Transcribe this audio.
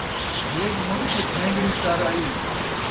بھیݙ موئی تے پھین٘ڳڑی تر آئی